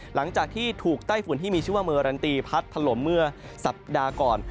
หลังจากที่ถูกไต้ฝุ่นที่มีชื่อว่าเมอรันตีพัดถล่มเมื่อสัปดาห์ก่อน